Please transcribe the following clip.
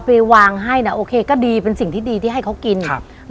ไปวางให้น่ะโอเคก็ดีเป็นสิ่งที่ดีที่ให้เขากินครับ